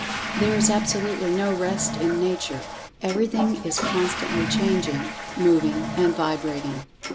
There is absolutely no rest in Nature—everything is constantly changing—moving—and vibrating.